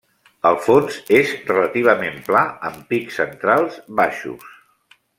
El fons és relativament pla amb pics centrals baixos.